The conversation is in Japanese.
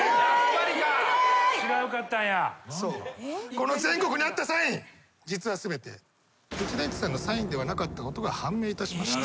この全国にあったサイン実は全て内田有紀さんのサインではなかったことが判明いたしました。